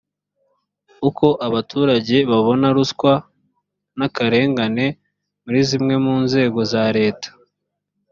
uko abaturage babona ruswa n akarengane muri zimwe mu nzego za leta